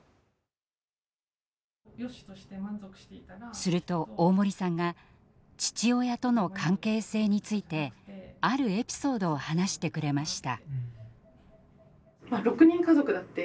すると大森さんが父親との関係性についてあるエピソードを話してくれました。